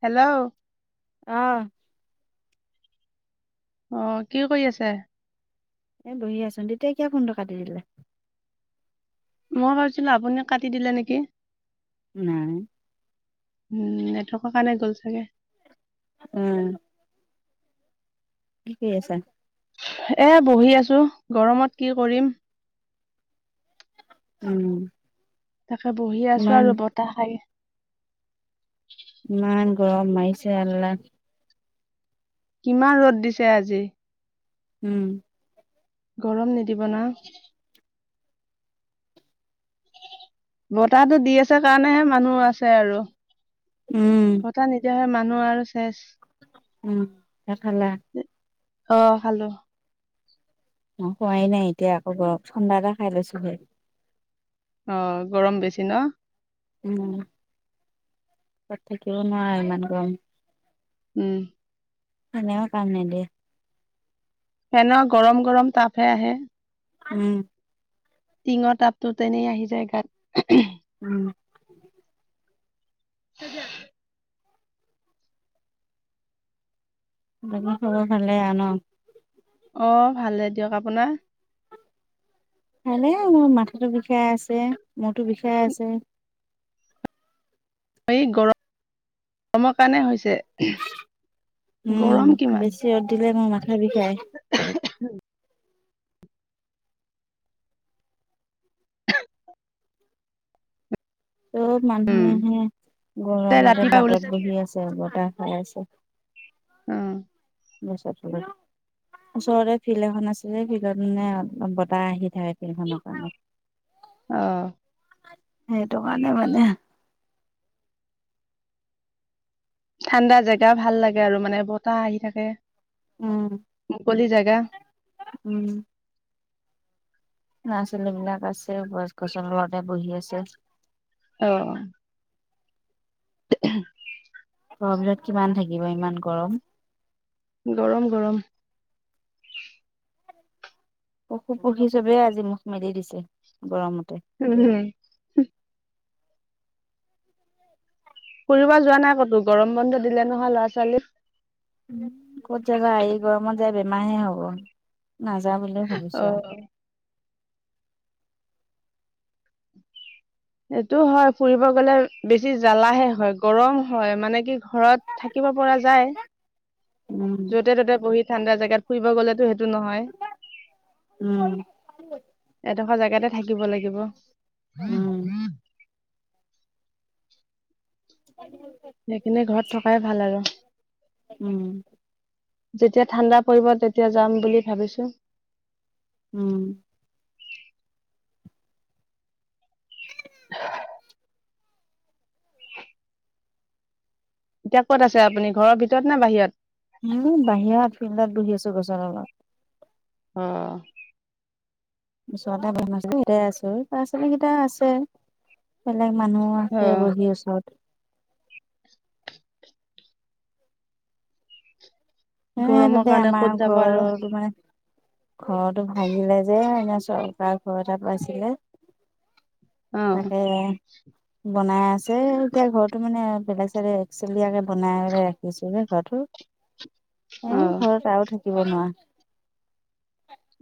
Hello. অহ! অ কি কৰি আছে? এ বহি আছো। তেতিয়া কিয়া ফোনটো কাটি দিলি? মই ভাবছিলো আপুনি কাটি দিলে নেকি? নাই। উম! নেটৱৰ্কৰ কাৰণে গ'ল চাগে। উম! কি কৰি আছা? এ বহি আছো গৰমত কি কৰিম? উম! তাকে বহি আছো ইমান আৰু বতাহ খাই ইমান গৰম মাৰিছে কিমান ৰ'দ দিছে আজি উম! গৰম নিদিব না বতাহটো দি আছে কাৰণেহে মানুহ আছে আৰু উম পত নিদিয়াহে মানুহ আৰু চেচ উম! ভাত খালা অ খালো অ খোৱাই নাই এতিয়া আকৌ ব ঠাডা এটা খাই লৈছোহে অ গৰম বেছি ন উ তাত থাকিব নোৱাৰে ইমান গম উম! আনে ম কাম নিদিয়ে। ফেনৰ গৰম গৰম তাপহে আহে। উম! টিঙৰ টাপতো তেনেই আহি যায় গাত। উম! তুজান। আৰু বাকী খবৰ ভালে আন। অ ভালে দিয়ক আপোনাৰ। কেলে মোৰ মাথাটো বিষাই আছে মোৰো বিষাই আছে সেই গৰম গৰমৰ কাৰণে হৈছে উম গৰম কিমান? বেছি ৰ'দ দিলে মোৰ মাথা বিষাই চব উম মানুহেহে তে গৰমতে ৰাতিপুৱা ওলাইছে বাটত বহি আছে বতাহ হয় আছে অ গছৰ তলত ওচৰতে ফিল্ড এখন আছিলে ফিল্ডত মানে বতাহ আহি থাকে ফিল্ড খনৰ কাৰণে [unintelligible] অহ সেইটো কাৰণে মানে ঠাণ্ডা জেগা ভাল লাগে আৰু মানে বতাহ আহি থাকে উম মুকলি জেগা উম ল'ৰা ছোৱালী বিলাক আছে গছ গছৰ তলতে বহি আছে। অ [unintelligible] গৰম দিনত কিমান থাকিব ইমান গৰম গৰম গৰম পশু পক্ষী চবেই আজি মুখ মেলি দিছে গৰমত উম উম্। ফুৰিব যোৱা নাই ক'তো গৰম বন্ধ দিলে নহয় ল'ৰা ছোৱালীক। ক'ত জেগা এই গৰমত যায় বেমাৰ হে হ'ব- নাযাওঁ বুলি ভাবিছো আৰু অ এইটো হয় ফুৰিব গলে বেছি জ্বালাহে হয় গৰম হয় মানে কি ঘৰত থাকিব থাকিব পৰা যায়। উম যতে ত'তে বহি ঠাণ্ডা জেগাত ফুৰিব গ'লেতো সেইটো নহয় উম। একেডখ জেগাতে থাকিব লাগিব উম সেইখিনি ঘৰত থকাই ভাল আৰু উম যেতিয়া ঠাণ্ডা পৰিব তেতিয়া যাম বুলি ভাবিছো উম এতিয়া ক'ত আছে আপুনি ঘৰৰ ভিতৰত নে বাহিৰত উম বাহিৰত ফিল্ডত বহি আছো গছৰ তলত অহ ওচৰতে বমাইছো সেইটাই আছো ল'ৰা ছোৱালী কেইটা আছে। [unintelligible] বেলেগ মানুহ আছে বহি ওচৰত এ গৰমৰ তাতে কাৰণে ক'ত আমাৰ যাব ঘৰৰ আৰু টো মানে ঘৰটো ভাগিলে যে এনে চৰকাৰ ঘৰ এটা পাইছিলে অ তাকে বনাই আছে এতিয়া ঘৰতো মানে বেলেগ চাইদে একচেলিয়াকে বনাই ৰাখিছো হে ঘৰটো এ অ ঘৰত আৰু থাকিব নোৱা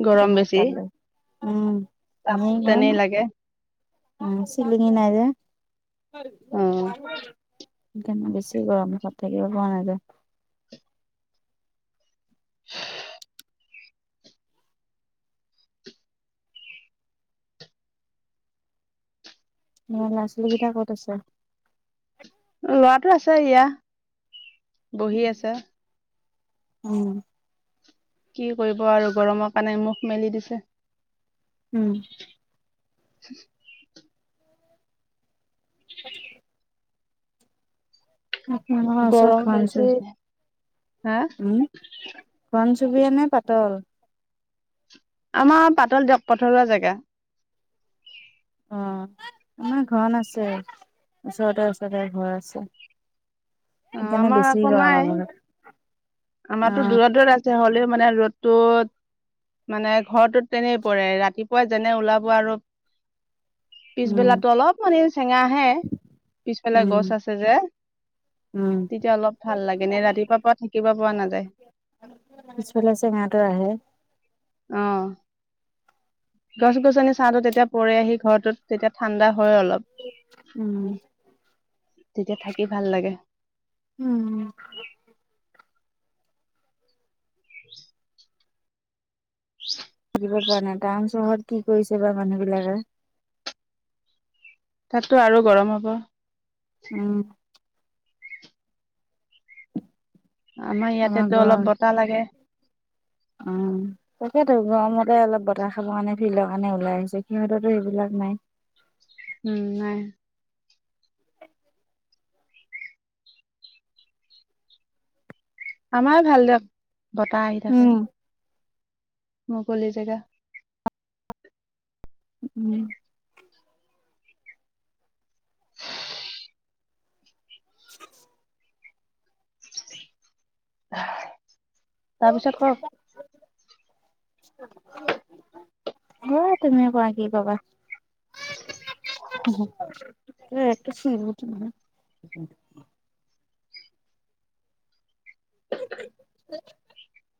গৰম বেছি উম তাপ এনেই গৰম তেনে লাগে। উম চিলিঙি নাই যে অ সেইকাৰণে বেছি গৰম ঘৰত থাকিব পৰা নাযায়। [unintelligible] [inaudible] অ ল'ৰা ছোৱালীকেইটা ক'ত আছে? লৰাটো আছে ইয়া বহি আছে [unintelligible] উম কি কৰিব আৰু গৰমৰ কাৰণে মুখ মেলি দিছে। উম। [inaudible] [inaudible] চত [unintelligible] গৰম বেছি হা হু ঘন চুবুৰীয়া নে পাতল? আমাৰ পাতল দিয়ক পথৰুৱা জেগা। অ' আমাৰ ঘন আছে ওচৰতে ওচৰতে ঘৰ আছে। অ সেইকাৰণে আমাৰ বেছি আকৌ কৰা নাই মানুহ কেইটাই। আমাৰতো দূৰত দূৰত আছে হ'লেও মানে ৰ'দটোত মানে ঘৰটোত তেনেই পৰে ৰাতিপুৱা যেনে ওলাব আৰু উম, পিছবেলাতো অলপ মানি চেঙা আহে পিছবেলা উম, গছ আছে যে উম, তেতিয়া অলপ ভাল লাগে। এনে ৰাতিপুৱা পৰা থি কিবা পোৱা নাযায়, পিছফালে চেঙাটো আহে অ'। গছ গছনি ছা টো তেতিয়া পৰে আহি ঘৰৰটোত তেতিয়া ঠাণ্ডা হয় অলপ উম। তেতিয়া থাকি ভাল লাগে। উম। [inaudible] [unintelligible] পৰা নাই টাউন চহৰত কি কৰিছে বা মানুহ বিলাকে? তাতটো আৰু গৰম হ'ব। উম। আমাৰ ইয়াতেতো অলপ বতাহ লাগে। অ' তাকেতো গৰমতে অলপ বতাহ খাব কাৰণে ফিল্ডৰ কাণে ওলাই আহিছোঁ সিহঁতৰ‌টো সেইবিলাক নাই। [inaudible] উম নাই। আমাৰ ভাল দিয়ক বতাহ আহি থাকে। উম, মুকলি জেগা। উম। [inaudible] [inaudible] তাৰপিছত কওক। অ' তুমি কোৱা কি কবা। [inaudible] [unintelligible] [inaudible]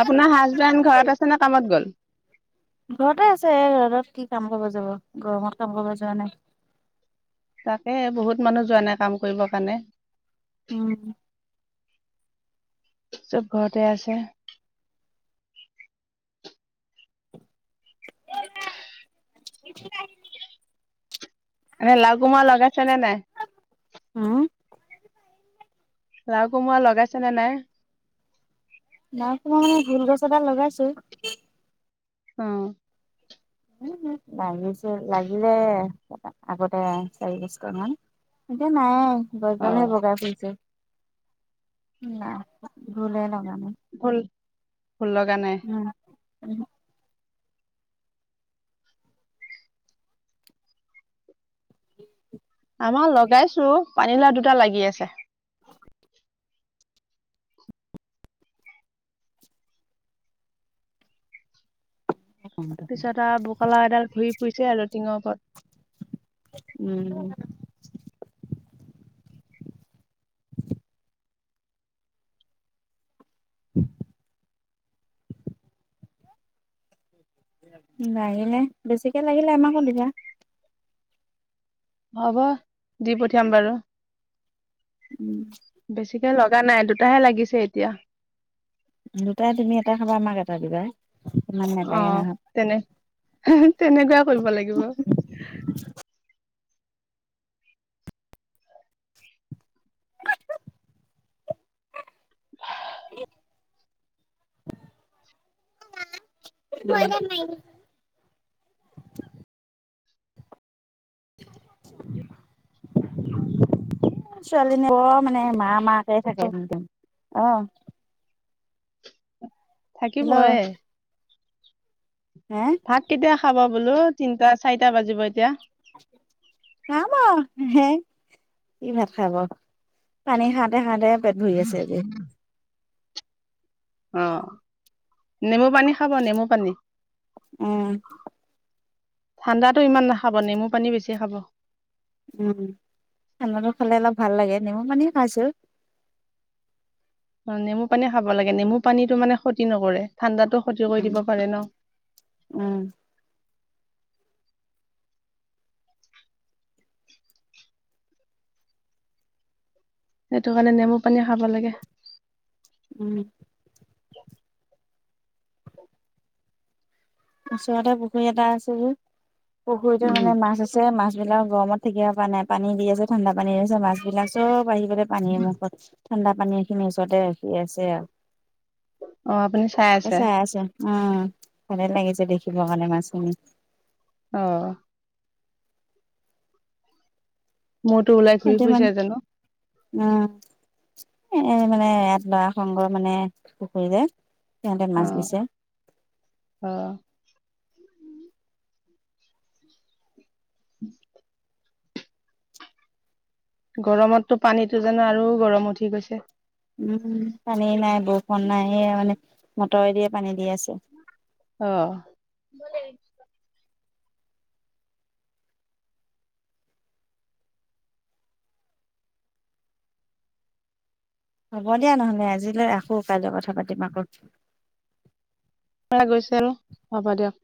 আপোনাৰ হাজবেণ্ড ঘৰত আছে নে কামত গ'ল ঘৰতে আছে এই ৰদত কি কাম কৰিব যাব, ‌ গৰমত কাম কৰিব যোৱা নাই। তাকে বহুত মানুহ যোৱা নাই কাম কৰিব কাৰণে। উম। চব ঘৰতে আছে। [inaudible] [unintelligible] এনে লাউ কোমৰা লগাইছেনে নাই? উম। লাউ কোমৰা লগাইছে নে নাই? লাউ কোমৰা মানে ভোল গছ এডাল লগাইছো। অ' উ লাগিছে লাগিলে আগতে চাৰি পাঁচটা মান। এতিয়া নায়ে। গছ অ ডালহে বগাই ফুৰিছে। ‌না, ভুলে লগা নাই। ভুল -ভুল লগা নাই? উম। [unintelligible] [inaudible] আমাৰ লগাইছো পানীলাও দুটা লাগি আছে। পিছত আৰ বকলা এডাল ঘূৰি ফুৰিছে আৰু টিঙৰ ওপৰত। উম [inaudible] [inaudible] লাগিলে বেছিকে লাগিলে আমাকো দিবা। হব দি পঠিয়াম বাৰু উম। বেছিকে লগ নাই দুটাহে লাগিছে এতিয়া। দুটাই, তুমি এটা খাবা আমাক এটা দিবা। ইমান অ নেলাগে নহয় তেনে তেনেকুৱাই কৰিব লাগিব। [unintelligible] [inaudible] ন [inaudible] [inaudible] চালি [inaudible] মানে মা মাকে থাকে একদম অ। থাকিব এ। হেল্ল' হে ভাত কেতিয়া খাব বোলো? তিনটা চাৰিটা বাজিব এতিয়া। খাম আও হে কি ভাত খাব। পানী খাওঁতে খাওঁতে পেট ভৰি আছে আজি। অ নেমু পানী খাব নেমু পানী। উম। ঠাণ্ডাতো ইমান নাখাব নেমু পানী বেছি খাব। উম ঠাণ্ডাটো খালে অলপ ভাল লাগে নেমু পানী খাইছো। অ নেমু পানী খাব লাগে নেমু পানীটো মানে ক্ষতি নকৰে ঠাণ্ডাতো ক্ষতি কৰি উম দিব পাৰে ন? উম সেইটো কাৰণে নেমু পানী খাব লাগে। উম। ওচৰতে পুখুৰী এটা আছে যে, পুখুৰীতো উম মানে মাছ আছে মাছ মাছবিলাক গৰমত থাকিব পৰা নাই পানী দি আছে ঠাণ্ডা পানী আছে মাছ বিলাক সব আহি পেলাই পানীৰ মুখত ঠাণ্ডা পানী এখিনি ওচৰতে ৰখি আছে আও। অ আপুনি চাই আছে? উম ভালে লাগিছে দেখিব কাৰণে মাছখিনি। অহ মূৰটো ওলাই ঘূৰি এতিয়া ফুৰিছে মানে জানো আহ এ মানে ইয়াত লৰা সংঘ মানে পুখুৰী যে তেহতে অ মাছ দিছে। অ [inaudible] গৰমতটো পানীতটো জানা আৰু গৰম উঠি গৈছে। উম পানী নাই বৰষুণ নাই সেয়া মানে মটৰেদিয়ে পানী দি আছে। আহ [inaudible] হ'ব দিয়া নহলে আজিলৈ ৰাখো কাইলৈ কথা পাতিম আকৌ। গৈছিল হব দিয়ক।